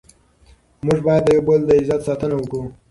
موږ باید د یو بل د عزت ساتنه وکړو.